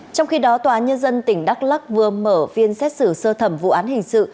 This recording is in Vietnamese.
trong khi đó tòa nhân dân tỉnh đắk lắc vừa mở phiên xét xử sơ thẩm vụ án hình sự